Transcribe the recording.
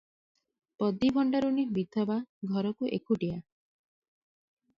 ପଦୀ ଭଣ୍ଡାରୁଣୀ ବିଧବା- ଘରକୁ ଏକୁଟିଆ ।